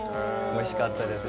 おいしかったです